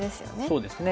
そうですね。